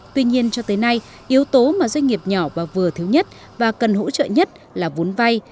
tuy nhiên cho tới nay yếu tố mà doanh nghiệp nhỏ và vừa thiếu nhất và cần hỗ trợ nhất là vốn vay